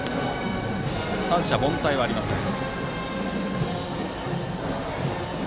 三者凡退はありません。